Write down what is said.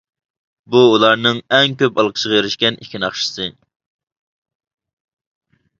بۇ ئۇلارنىڭ ئەڭ كۆپ ئالقىشقا ئېرىشكەن ئىككى ناخشىسى.